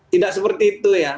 tidak seperti itu ya